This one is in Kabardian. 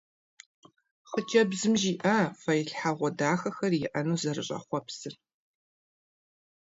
Хъыджэбзым жиӀащ фэилъхьэгъуэ дахэхэр иӀэну зэрыщӀэхъуэпсыр.